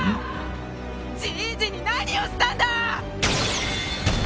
じいじに何をしたんだ！